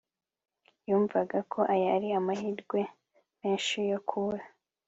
Yumvaga ko aya ari amahirwe menshi yo kubura